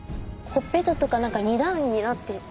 ほっぺたとか何か２段になってる。